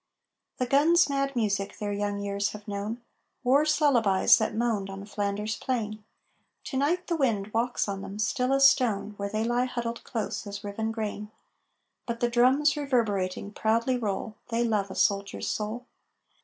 The guns' mad music their young years have known War's lullabies that moaned on Flanders Plain; To night the wind walks on them, still as stone, Where they lie huddled close as riven grain. But the Drums, reverberating, proudly roll They love a Soldier's soul!